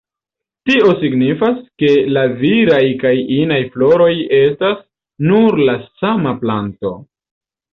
Tio signifas, ke la viraj kaj inaj floroj estas sur la sama planto.